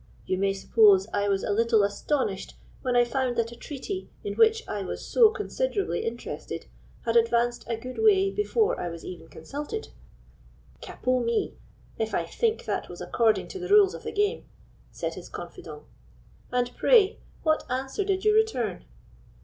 You may suppose I was a little astonished when I found that a treaty, in which I was so considerably interested, had advanced a good way before I was even consulted." "Capot me! if I think that was according to the rules of the game," said his confidant; "and pray, what answer did you return?"